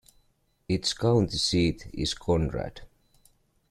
Its county seat is Conrad.